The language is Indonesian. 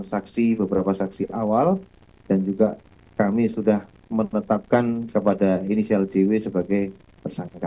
saksi beberapa saksi awal dan juga kami sudah menetapkan kepada inisial jw sebagai tersangka